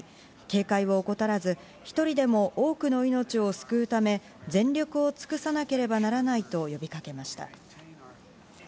警戒を怠らず、１人でも多くの命を救うため、全力を尽くさなければならないと呼びかけました。